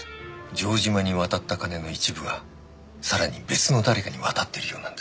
城島に渡った金の一部がさらに別の誰かに渡ってるようなんです。